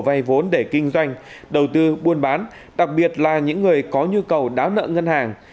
đầu đôi kéo những người đang có nhu cầu vay vốn để kinh doanh đầu tư buôn bán đặc biệt là những người có nhu cầu đáo nợ ngân hàng